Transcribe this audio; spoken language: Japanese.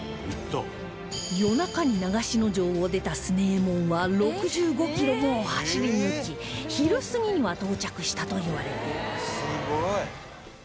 夜中に長篠城を出た強右衛門は６５キロも走り抜き昼過ぎには到着したといわれています